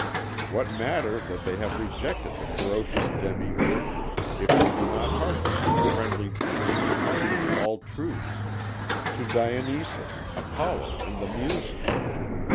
What matter that they have rejected the ferocious Demiurge, if they do not hearken to the friendly demons who teach all truths; to Dionysus, Apollo, and the Muses?